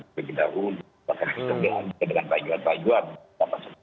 bagaimana itu dengan rayuan rayuan